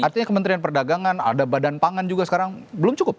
artinya kementerian perdagangan ada badan pangan juga sekarang belum cukup